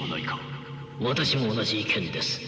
私も同じ意見です。